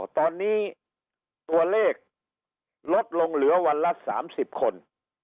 ตอนนี้ตัวเลขลดลงเหลือวันละ๓๐คน